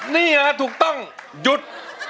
นี่เหรอถูกต้องหยุด